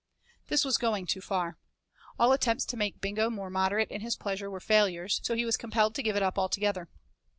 This was going too far. All attempts to make Bingo more moderate in his pleasure were failures, so he was compelled to give it up altogether.